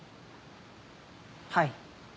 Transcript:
はい。